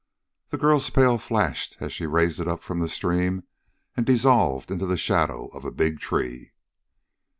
The girl's pail flashed, as she raised it up from the stream and dissolved into the shadow of a big tree.